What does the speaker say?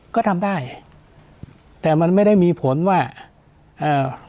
ก็ทำได้แต่มันไม่ได้มีผลว่าเอ่อ